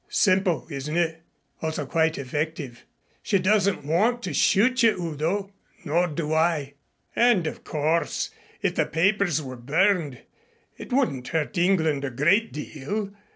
Simple, isn't it? Also quite effective. She doesn't want to shoot you, Udo nor do I. And of course if the papers were burned, it wouldn't hurt England a great deal.